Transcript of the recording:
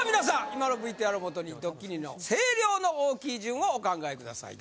今のＶＴＲをもとにドッキリの声量の大きい順をお考えください